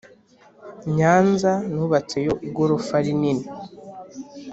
nyanza nubatseyo igorofa rinini